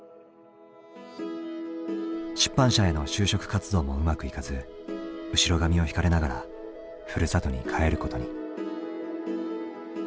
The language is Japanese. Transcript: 出版社への就職活動もうまくいかず後ろ髪を引かれながらふるさとに帰ることに。